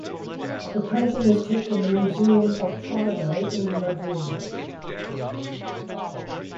The painting is kept in the Museum of Prado in Madrid.